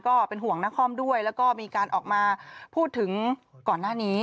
ก็เป็นห่วงนครด้วยแล้วก็มีการออกมาพูดถึงก่อนหน้านี้